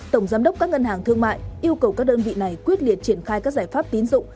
tổng giám đốc các ngân hàng thương mại yêu cầu các đơn vị này quyết liệt triển khai các giải pháp tín dụng